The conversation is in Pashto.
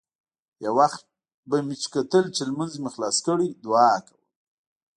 يو وخت به مې کتل چې لمونځ مې خلاص کړى دعا کوم.